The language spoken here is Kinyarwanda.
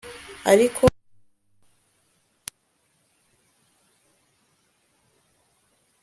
Ariko ukurikire inzira nyabagendwa ikandagira